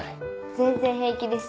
全然平気です。